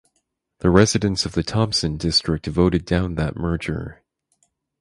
The residents of the Thompson district voted down that merger.